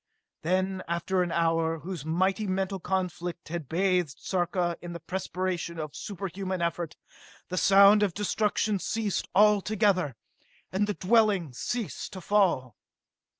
Then, after an hour, whose mighty mental conflict had bathed Sarka in the perspiration of superhuman effort, the sound of destruction ceased all together, and the dwellings ceased to fall.